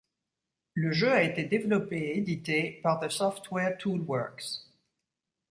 Le jeu a été développé et édité par The Software Toolworks.